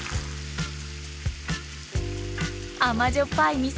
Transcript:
甘じょっぱい味噌